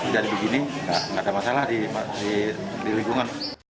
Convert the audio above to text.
jadi begini gak ada masalah di lingkungan